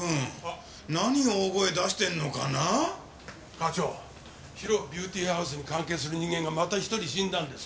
課長ＨＩＲＯビューティーハウスに関係する人間がまた１人死んだんです。